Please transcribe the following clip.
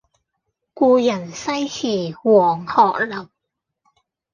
故人西辭黃鶴樓